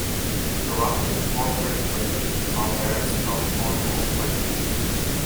The rock is porphyritic granite, a very strong form of granite.